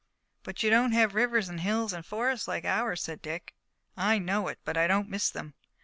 "But you don't have rivers and hills and forests like ours," said Dick. "I know it, but I don't miss them.